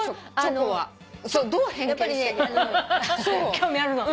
興味あるの？